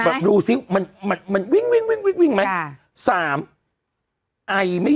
แบบดูซิมันมันมันวิ่งวิ่งวิ่งวิ่งวิ่งไหมค่ะสามไอไม่